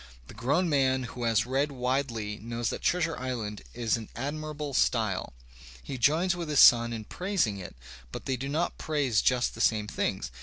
The grown man who has read widely knows that "Treasure Island" is in admirable style. He joins with his son in praising it, but they do not praise just the same things.